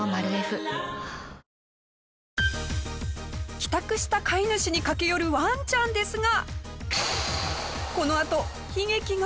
帰宅した飼い主に駆け寄るワンちゃんですが。